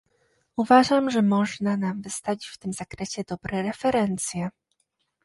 Uważam, że można nam wystawić w tym zakresie dobre referencje